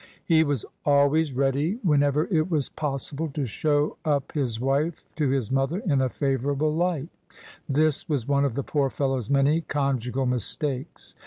He was always ready, whenever it was possi ble, to show up his wife to his mother in a favourable light This was one of the poor fellow's many conjugal mistakes.